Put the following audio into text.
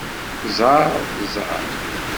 Ẓeṛ ẓeṛ!